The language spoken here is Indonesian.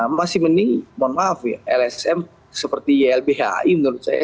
masih mending mohon maaf ya lsm seperti ylbhi menurut saya